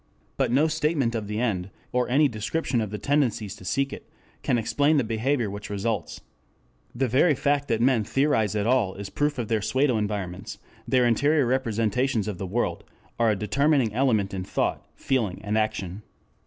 But no statement of the end, or any description of the tendencies to seek it, can explain the behavior which results. The very fact that men theorize at all is proof that their pseudo environments, their interior representations of the world, are a determining element in thought, feeling, and action.